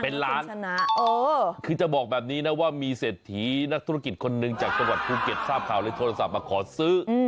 เป็นล้านชนะคือจะบอกแบบนี้นะว่ามีเศรษฐีนักธุรกิจคนหนึ่งจากจังหวัดภูเก็ตทราบข่าวเลยโทรศัพท์มาขอซื้อ